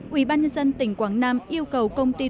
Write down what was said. ubnd tỉnh quảng nam yêu cầu công ty thủy điện